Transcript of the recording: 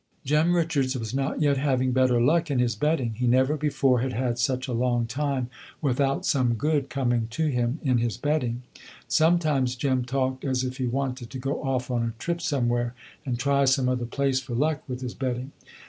Jem Richards was not yet having better luck in his betting. He never before had had such a long time without some good coming to him in his betting. Sometimes Jem talked as if he wanted to go off on a trip somewhere and try some other place for luck with his betting.